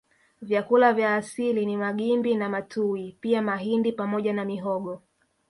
Vyakula vya asili ni magimbi na matuwi pia mahindi pamoja na mihogo